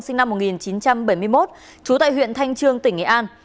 sinh năm một nghìn chín trăm bảy mươi một trú tại huyện thanh trương tỉnh nghệ an